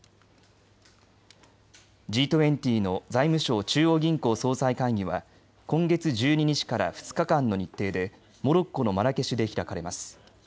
Ｇ２０の財務相・中央銀行総裁会議は今月１２日から２日間の日程でモロッコのマラケシュで開かれます。